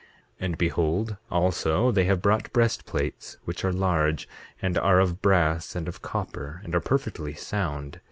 8:10 And behold, also, they have brought breastplates, which are large, and they are of brass and of copper, and are perfectly sound.